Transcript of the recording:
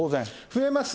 増えます。